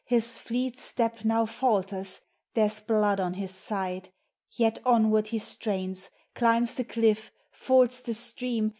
His fleet step now falters, there 'a blond on his side; Yet onward he strains, climbs the cliff, fords the stream.